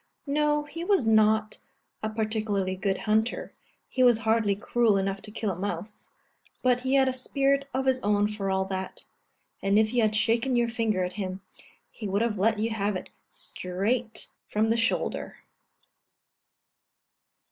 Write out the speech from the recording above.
No, he was not a particularly good hunter, he was hardly cruel enough to kill a mouse; but he had a spirit of his own for all that, and if you had shaken your finger at him, he would have let you have it straight from the shoulder.